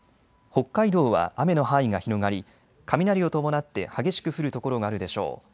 北海道は雨の範囲が広がり雷を伴って激しく降る所があるでしょう。